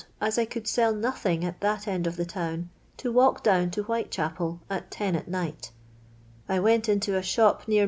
as I could sell nuihiiig at that end ot tliH town, to walk down Ut Whitechapcl at ten at u'vili:. I went into a 8ho]) near